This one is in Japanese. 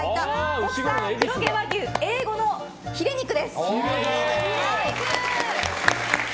国産黒毛和牛Ａ５のヒレ肉です。